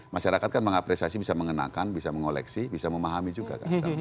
masyarakat kan mengapresiasi bisa mengenakan bisa mengoleksi bisa memahami juga kan